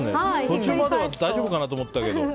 途中までは大丈夫かなと思ったけど。